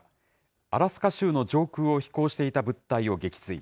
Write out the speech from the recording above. アラスカ州の上空を飛行していた物体を撃墜。